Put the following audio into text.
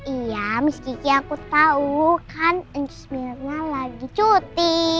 iya miss gigi aku tahu kan inksmirnya lagi cuti